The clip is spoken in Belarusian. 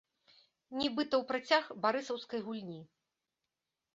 Нібыта ў працяг барысаўскай гульні.